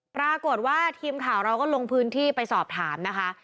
ปรากฏว่าทีมข่าวเราก็ลงพื้นที่ไปสอบถามนะคะ